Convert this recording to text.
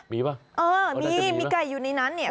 มีป่ะเออมีมีไก่อยู่ในนั้นเนี่ย